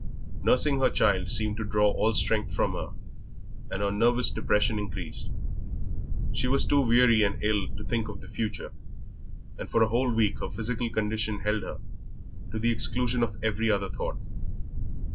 Nursing her child seemed to draw all strength from her, and her nervous depression increased; she was too weary and ill to think of the future, and for a whole week her physical condition held her, to the exclusion of every other thought.